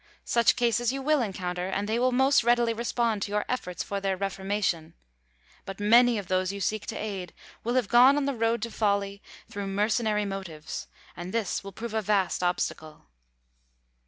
Such cases you will encounter, and they will most readily respond to your efforts for their reformation. But many of those you seek to aid will have gone on the road to folly through mercenary motives, and this will prove a vast obstacle.